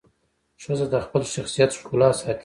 ښځه د خپل شخصیت ښکلا ساتي.